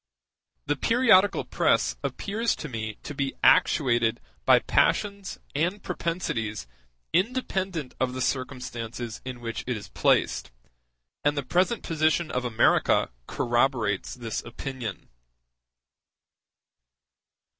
The periodical press appears to me to be actuated by passions and propensities independent of the circumstances in which it is placed, and the present position of America corroborates this opinion.